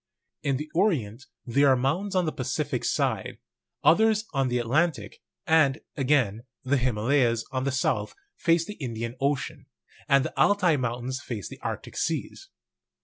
In the Orient there are mountains on the Pacific side, others on the Atlantic; and, again, the Himalayas, on the south, face the Indian Ocean, and the Altai Moun tains face the Arctic seas.